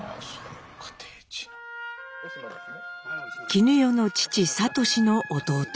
絹代の父智の弟